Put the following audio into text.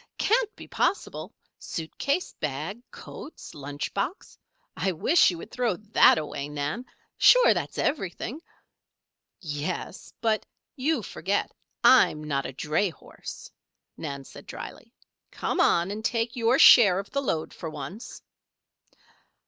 "Can't be possible. Suit case, bag, coats, lunch box I wish you would throw that away, Nan! Sure, that's everything." "Yes. But you forget I'm not a dray horse," Nan said drily. "Come on and take your share of the load for once."